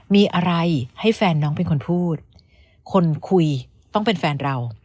มีอะไรให้แฟนน้องเป็นคนพูดคนคุยต้องเป็นแฟนเรา